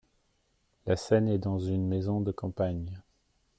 La scène est dans une maison de campagne.